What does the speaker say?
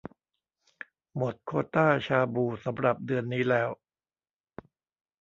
หมดโควตาชาบูสำหรับเดือนนี้แล้ว